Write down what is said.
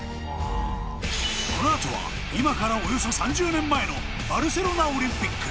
このあとは今からおよそ３０年前のバルセロナオリンピック